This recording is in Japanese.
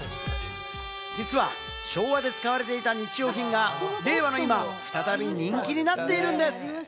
実は昭和で使われていた日用品が令和の今、再び人気になっているんです。